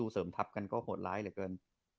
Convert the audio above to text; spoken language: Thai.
เสริมทัพกันก็โหดร้ายเหลือเกิน